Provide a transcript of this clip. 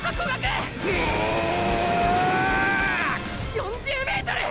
４０ｍ！！